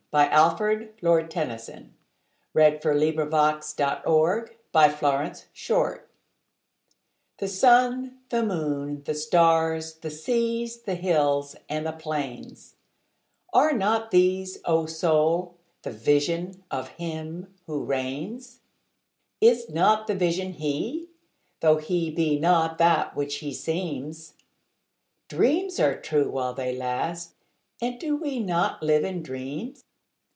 1917. Alfred, Lord Tennyson (1809–1892) 93. The Higher Pantheism THE SUN, the moon, the stars, the seas, the hills and the plains—Are not these, O Soul, the Vision of Him who reigns? Is not the Vision He? tho' He be not that which He seems? Dreams are true while they last, and do we not live in dreams?